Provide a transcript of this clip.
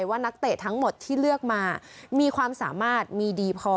ว่านักเตะทั้งหมดที่เลือกมามีความสามารถมีดีพอ